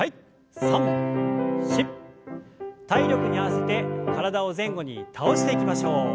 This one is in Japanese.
体力に合わせて体を前後に倒していきましょう。